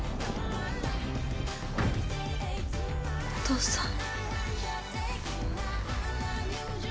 お父さん。